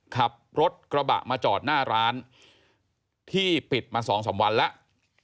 ขับรถกระบะมาจอดหน้าร้านที่ปิดมา๒๓วันแล้ว